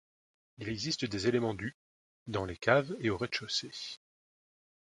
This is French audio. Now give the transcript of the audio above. Il existe des éléments du dans les caves et au rez-de-chaussée.